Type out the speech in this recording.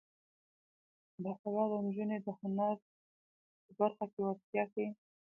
باسواده نجونې د هنر په برخه کې وړتیا ښيي.